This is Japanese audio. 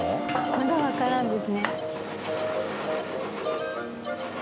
まだわからんですね。